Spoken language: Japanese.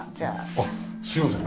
あっすみません。